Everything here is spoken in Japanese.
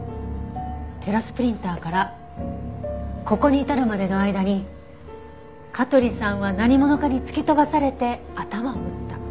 テラスプリンターからここに至るまでの間に香取さんは何者かに突き飛ばされて頭を打った。